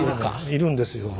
要るんですよ。